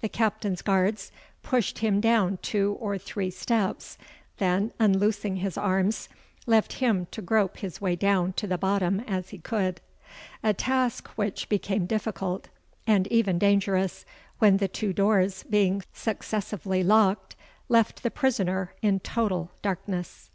The Captain's guards pushed him down two or three steps, then, unloosing his arms, left him to grope his way to the bottom as he could; a task which became difficult and even dangerous, when the two doors being successively locked left the prisoner in total darkness.